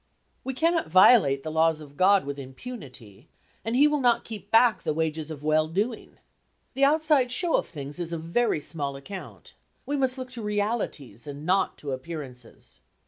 We cannot violate the laws of God with impunity, and he will not keep back the wages of well doing. The outside show of things is of very small account. We must look to realities and not to appearances.